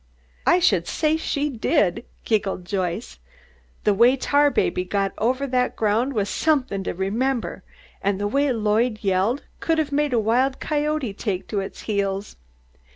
"I should say she did!" giggled Joyce. "The way Tarbaby got over the ground was something to remember, and the way Lloyd yelled would have made a wild coyote take to its heels.